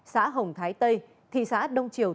xã hồng thái tây thị xã đông triều